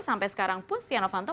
sampai sekarang pun setia novanto